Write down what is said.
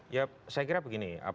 ya saya kira begini